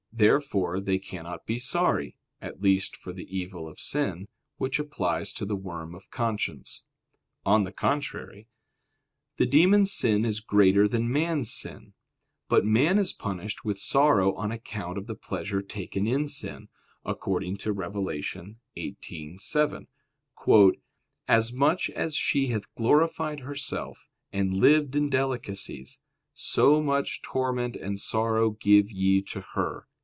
Therefore they cannot be sorry, at least for the evil of sin; which applies to the worm of conscience. On the contrary, The demon's sin is greater than man's sin. But man is punished with sorrow on account of the pleasure taken in sin, according to Apoc. 18:7, "As much as she hath glorified herself, and lived in delicacies, so much torment and sorrow give ye to her."